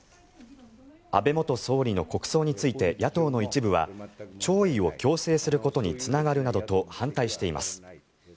安倍元総理の国葬について野党の一部は弔意を強制することにつながるなどと反対しています。